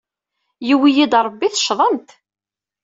Yuwey-iyi-d Ṛebbi teccḍemt.